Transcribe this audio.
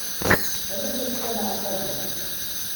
Ala ma kfan εamayan.